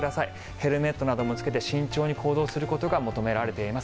ヘルメットなどもつけて慎重に行動することが求められています。